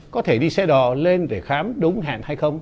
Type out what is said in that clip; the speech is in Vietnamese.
có thể đi xe đò lên để khám đúng hẹn hay không